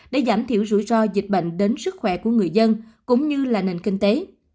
để giảm thiểu rủi ro dịch bệnh đến sức khỏe của người dân cũng như là nền kinh tế